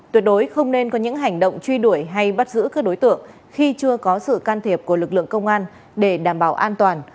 tuyệt đối không nên có những hành động truy đuổi hay bắt giữ các đối tượng khi chưa có sự can thiệp của lực lượng công an để đảm bảo an toàn